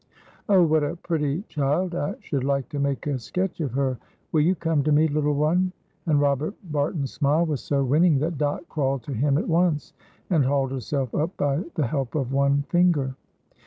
"Oh, what a pretty child! I should like to make a sketch of her. Will you come to me, little one?" And Robert Barton's smile was so winning that Dot crawled to him at once, and hauled herself up by the help of one finger.